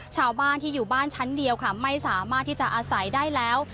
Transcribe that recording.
ชาวบ้านที่อยู่บ้านชั้นเดียวค่ะไม่สามารถที่จะอาศัยได้แล้ว